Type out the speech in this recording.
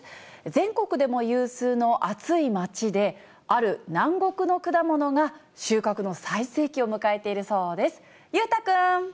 全国でも有数の暑いまちで、ある南国の果物が収穫の最盛期を迎えているそうです。